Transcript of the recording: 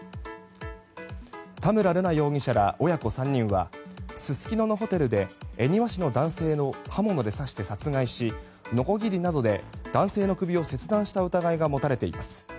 田村瑠奈容疑者ら親子３人はすすきののホテルで恵庭市の男性を刃物で刺して殺害しのこぎりなどで男性の首を切断した疑いが持たれています。